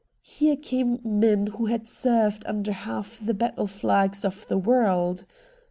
Here came men who had served under half the battle flags of the world.